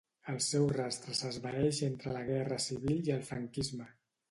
El seu rastre s'esvaeix entre la Guerra Civil i el franquisme.